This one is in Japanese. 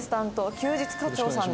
休日課長さんです。